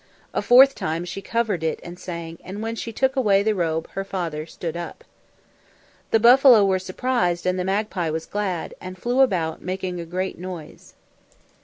A fourth time she covered it and sang, and when she took away the robe her father stood up. The buffalo were surprised and the magpie was glad, and flew about making a great noise.